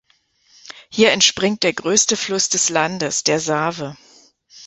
Hier entspringt der größte Fluss des Landes, der Save.